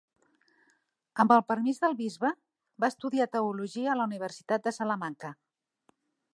Amb el permís del bisbe, va estudiar teologia a la Universitat de Salamanca.